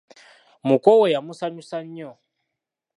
Muko we yamusanyusa nnyo.